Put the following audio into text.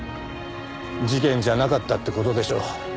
事件じゃなかったって事でしょ。